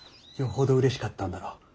よほどうれしかったんだろう